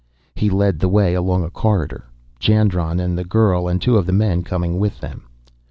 He led the way along a corridor, Jandron and the girl and two of the men coming with them.